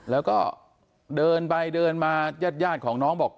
แล้วก็เดินไปเดินมาญาติของน้องบอก